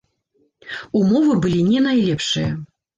Умовы былі не найлепшыя.